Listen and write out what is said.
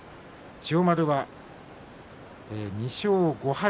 千代丸は２勝５敗。